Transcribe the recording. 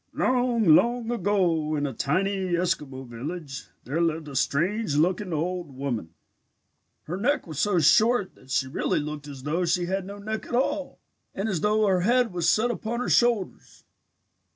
"Long, long ago in a tiny Eskimo village, there lived a strange looking old woman. Her neck was so short that she really looked as though she had no neck at all and as though her head was set upon her shoulders.